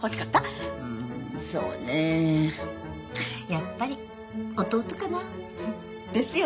やっぱり弟かな。ですよね。